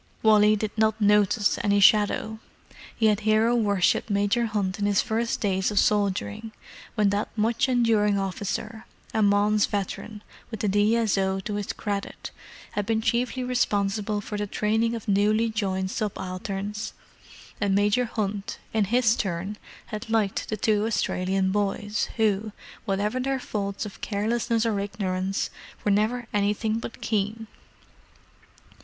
Wally did not notice any shadow. He had hero worshipped Major Hunt in his first days of soldiering, when that much enduring officer, a Mons veteran with the D.S.O. to his credit, had been chiefly responsible for the training of newly joined subalterns: and Major Hunt, in his turn, had liked the two Australian boys, who, whatever their faults of carelessness or ignorance, were never anything but keen.